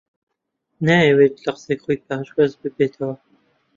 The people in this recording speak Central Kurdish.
نایەوێت لە قسەی خۆی پاشگەز ببێتەوە